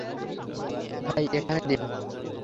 ভাই, এখানে দিন।